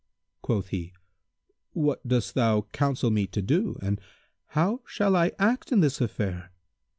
Quoth he, "What dost thou counsel me to do and how shall I act in this affair?"